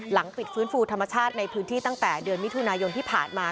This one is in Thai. ปิดฟื้นฟูธรรมชาติในพื้นที่ตั้งแต่เดือนมิถุนายนที่ผ่านมา